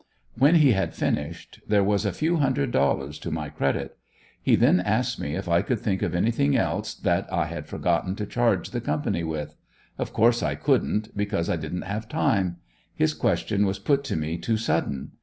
When he had finished there was a few hundred dollars to my credit. He then asked me if I could think of anything else that I had forgotten to charge the "company" with? Of course I couldn't, because I didn't have time; his question was put to me too sudden.